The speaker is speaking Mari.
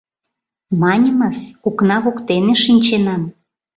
— Маньымыс, окна воктене шинченам.